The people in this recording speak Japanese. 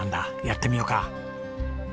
やってみようか。